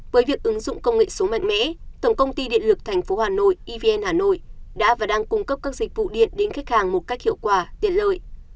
với việc ứng dụng công nghệ số mạnh mẽ tổng công ty điện lực tp hà nội evn hà nội đã và đang cung cấp các dịch vụ điện đến khách hàng một cách hiệu quả tiện lợi